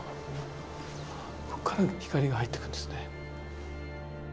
ここからでも光が入ってくるんですね。